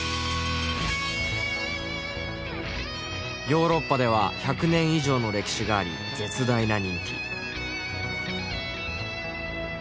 ヨーロッパでは１００年以上の歴史があり絶大な人気。